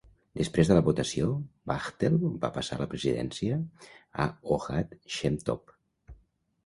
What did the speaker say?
Després de la votació, Wachtel va passar la presidència a Ohad Shem-Tov.